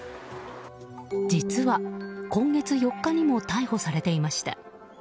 実は、今月４日にも逮捕されていました。